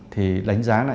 thì đánh giá là